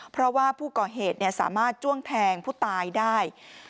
เพราะว่าผู้ก่อเหตุสามารถจ้วงแทงผู้ตายได้